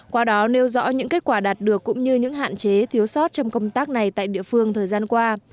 qua đó nêu rõ những kết quả đạt được cũng như những hạn chế thiếu sót trong công tác này tại địa phương thời gian qua